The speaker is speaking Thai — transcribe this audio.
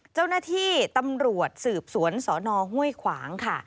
เจ้าหน้าที่ตำรวจสืบสวนสนห้วยขวางค่ะ